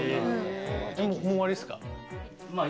もう終わりですか？